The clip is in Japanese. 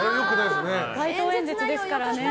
街頭演説ですからね。